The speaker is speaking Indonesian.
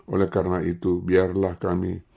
oleh karena itu biarlah kami